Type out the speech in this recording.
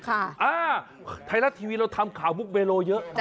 อ่าไทยรัฐทีวีเราทำข่าวมุกเบโลเยอะ